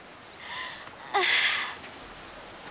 ああ。